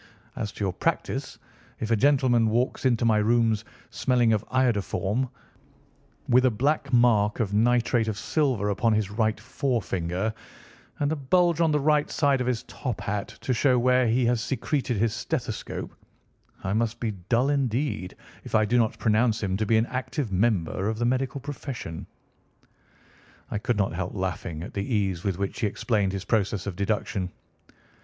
As to your practice, if a gentleman walks into my rooms smelling of iodoform, with a black mark of nitrate of silver upon his right forefinger, and a bulge on the right side of his top hat to show where he has secreted his stethoscope, I must be dull, indeed, if I do not pronounce him to be an active member of the medical profession." I could not help laughing at the ease with which he explained his process of deduction.